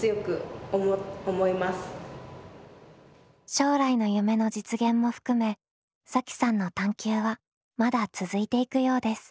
将来の夢の実現も含めさきさんの探究はまだ続いていくようです。